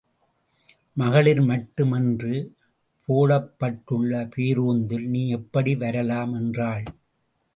மகளிர் மட்டும் என்று போடப்பட்டுள்ள பேருந்தில் நீ எப்படி வரலாம்? என்றாள்.